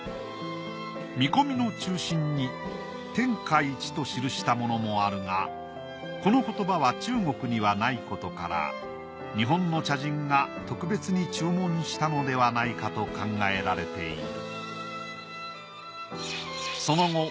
見込みの中心に「天下一」と記したものもあるがこの言葉は中国にはないことから日本の茶人が特別に注文したのではないかと考えられている。